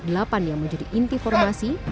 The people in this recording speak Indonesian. ada kelompok delapan yang menjadi inti formasi